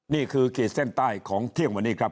ขีดเส้นใต้ของเที่ยงวันนี้ครับ